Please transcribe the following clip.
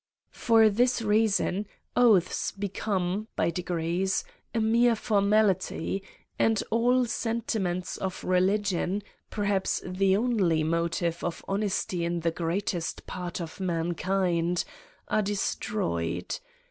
For this reason, oaths be come, by degrees, a mere formality, and all sen timents of religion, perhaps the only motive of honesty in the greatest part of mankind, are de stroyed.